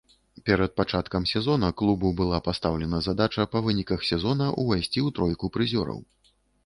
Перад пачаткам сезона клубу была пастаўлена задача па выніках сезона ўвайсці ў тройку прызёраў.